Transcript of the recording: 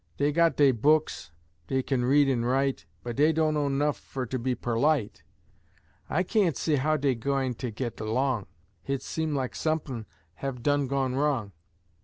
Dey got dey books, dey kin read an' write, But dey dunno 'nough fer to be perlite. I kain't see how dey gwine git erlong, Hit seem lak sump'n have done gone wrong.